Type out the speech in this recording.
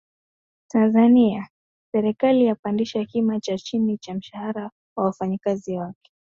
Tanzania: Serikali yapandisha kima cha chini cha mshahara wa wafanyakazi wake